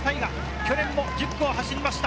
去年も１０区を走りました。